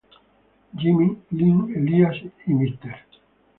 Jimmy, Lynn, Elías y Mr.